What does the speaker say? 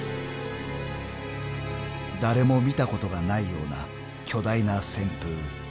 ［誰も見たことがないような巨大な旋風］